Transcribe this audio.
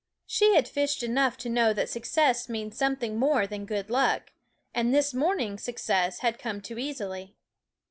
She had fished enough to know that success means some thing more than good luck; and this morning success had come too easily.